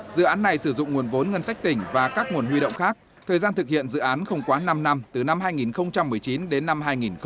dự án này sử dụng nguồn vốn ngân sách tỉnh và các nguồn huy động khác thời gian thực hiện dự án không quá năm năm từ năm hai nghìn một mươi chín đến năm hai nghìn hai mươi